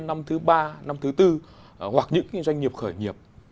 năm thứ ba năm thứ tư hoặc những doanh nghiệp khởi nghiệp